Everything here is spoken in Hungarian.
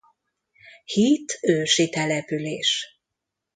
Hít ősi település.